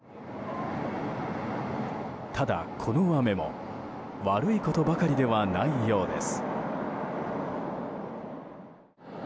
ただ、この雨も悪いことばかりではないようです。